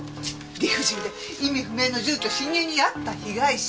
理不尽で意味不明の住居侵入に遭った被害者。